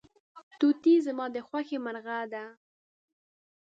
توتي زما د خوښې مرغه دی.